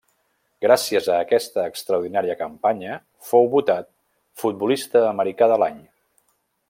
Gràcies a aquesta extraordinària campanya fou votat futbolista americà de l'any.